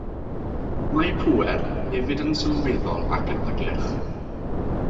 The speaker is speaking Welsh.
Mae pŵer hefyd yn sylweddol ac yn hygyrch.